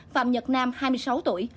phạm nhật nam hai mươi sáu tuổi